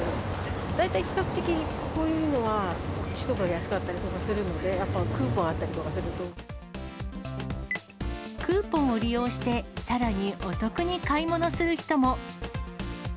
大体比較的、こういうのはこっちのほうが安かったりするので、あとクーポンあクーポンを利用して、さらにお得に買い物する人も。